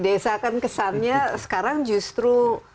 desa kan kesannya sekarang justru